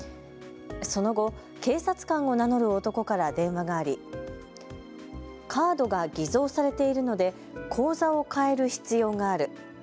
その後、警察官を名乗る男から電話がありカードが偽造されているので口座を変える必要がある。